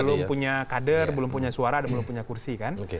belum punya kader belum punya suara dan belum punya kursi kan